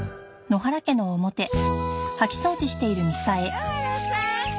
野原さん。